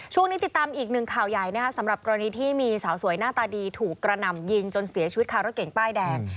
ช่วงนี้ติดตามอีกหนึ่งข่าวใหญ่นะคะสำหรับกรณีที่มีสาวสวยหน้าตาดีถูกกระหน่ำยิงจนเสียชีวิตคารถเก่งป้ายแดง